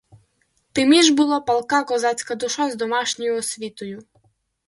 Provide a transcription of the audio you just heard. Тиміш була палка козацька душа з домашньою освітою.